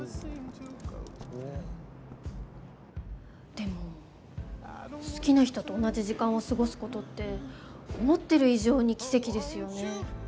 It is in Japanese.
でも好きな人と同じ時間を過ごすことって思ってる以上に奇跡ですよね。